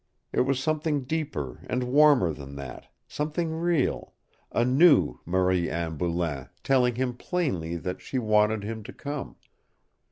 It was something deeper and warmer than that, something real a new Marie Anne Boulain telling him plainly that she wanted him to come.